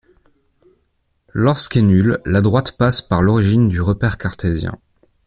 Lorsque est nul, la droite passe par l'origine du repère cartésien.